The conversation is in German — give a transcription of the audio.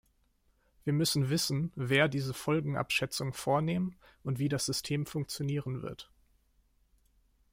Wir müssen wissen, wer diese Folgenabschätzung vornehmen und wie das System funktionieren wird.